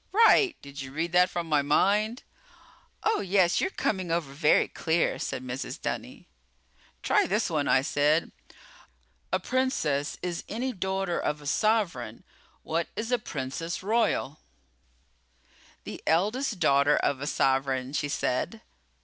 "Right! Did you read that from my mind?" "Oh, yes, you're coming over very clear!" said Mrs. Dunny. "Try this one," I said. "A princess is any daughter of a sovereign. What is a princess royal?" "The eldest daughter of a sovereign," she said.